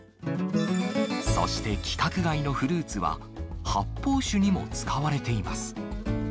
そして規格外のフルーツは、発泡酒にも使われています。